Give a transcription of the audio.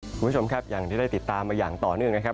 คุณผู้ชมครับอย่างที่ได้ติดตามมาอย่างต่อเนื่องนะครับ